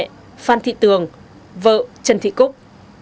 họ tên mẹ phan thị tường vợ trần thị cúc